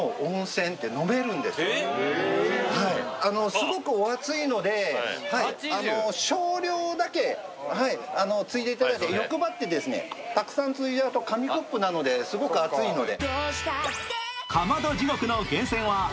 すごくお熱いので少量だけついでいただいて欲張ってたくさんついじゃうと、紙コップなのですごく熱いので。